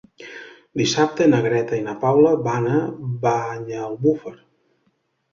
Dissabte na Greta i na Paula van a Banyalbufar.